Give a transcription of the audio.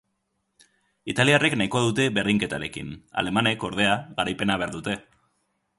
Italiarrek nahikoa dute berdinketarekin alemanek, ordea, garaipena behar dute.